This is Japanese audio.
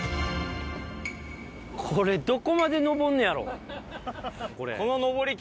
これどこまで上んねやろ？